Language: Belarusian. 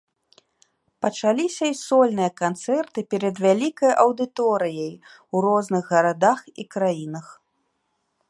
Пачаліся і сольныя канцэрты перад вялікай аўдыторыяй у розных гарадах і краінах.